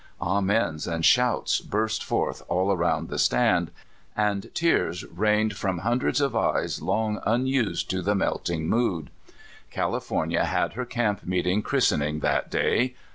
Amens and shouts burst forth all around the stand, and tears rained from hundreds of eyes long unused to the melting mood. California had her camp meeting christening that day.